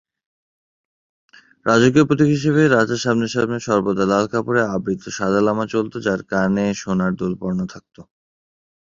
রাজকীয় প্রতীক হিসেবে রাজার সামনে সামনে সর্বদা লাল কাপড়ে আবৃত সাদা লামা চলতো যার কানে সোনার দুল পরানো থাকতো।